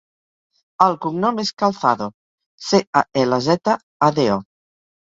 El cognom és Calzado: ce, a, ela, zeta, a, de, o.